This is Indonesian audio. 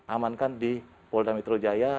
amankan di polda mitrojaya